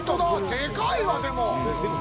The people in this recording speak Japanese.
でかいわ、でも。